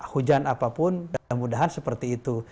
hujan apapun dan mudah mudahan seperti itu